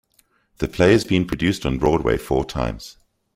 The play has been produced on Broadway four times.